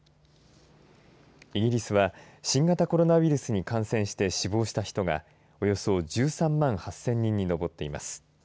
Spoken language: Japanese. イギリスは新型コロナウイルスに感染して死亡した人がおよそ１３万８０００人に上っています。